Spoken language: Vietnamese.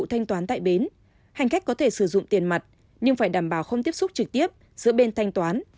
hành khách có thể sử dụng tiền mặt nhưng phải đảm bảo không tiếp xúc trực tiếp giữa bên thanh toán